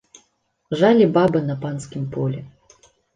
Жалі бабы на панскім полі.